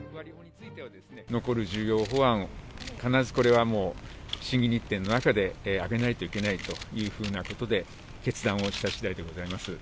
残る重要法案を、われわれもうこれは審議日程の中で上げないといけないというようなことで、決断をしたしだいでございます。